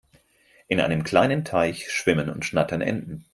In einem kleinen Teich schwimmen und schnattern Enten.